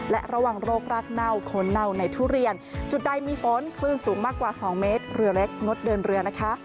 และระวังโรครากเน่าคนเน่าในทุเรียนจุดใดมีฝนคลื่นสูงมากกว่า๒เมตรเรือเล็กงดเดินเรือนะคะ